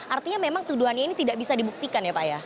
artinya memang tuduhannya ini tidak bisa dibuktikan ya pak ya